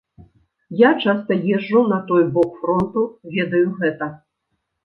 Я часта езджу на той бок фронту, ведаю гэта.